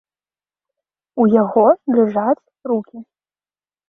У яго дрыжаць рукі.